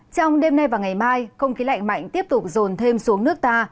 trong đêm nay và ngày mai không khí lạnh mạnh tiếp tục rồn thêm xuống nước ta